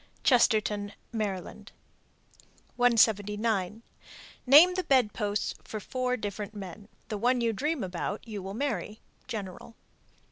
Chestertown, Md. 179. Name the bed posts for four different men. The one you dream about you will marry. _General.